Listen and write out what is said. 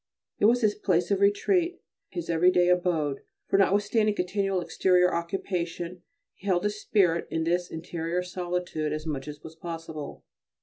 It was his place of retreat, his every day abode, for notwithstanding continual exterior occupation he held his spirit in this interior solitude as much as was possible.